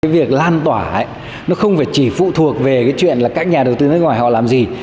việc lan tỏa không phải chỉ phụ thuộc về các nhà đầu tư nói gọi họ làm gì